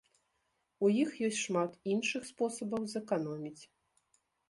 У іх ёсць шмат іншых спосабаў зэканоміць.